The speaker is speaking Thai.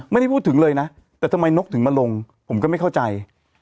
ไม่ได้พูดถึงเลยนะแต่ทำไมนกถึงมาลงผมก็ไม่เข้าใจ